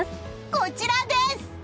こちらです！